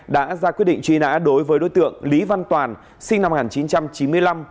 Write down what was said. đã ra quyết định truy nã đối với đối tượng lý văn toàn sinh năm một nghìn chín trăm chín mươi năm